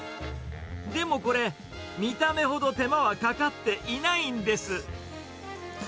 でもこれ、見た目ほど手間はかかっていないんです。